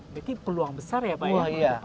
berarti peluang besar ya pak ya